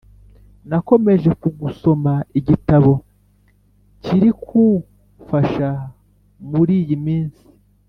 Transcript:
Nakomeje kugusoma igitabo cyiri kufasha muriyi minsi